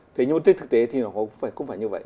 thế nhưng mà tích thực tế thì nó cũng phải như vậy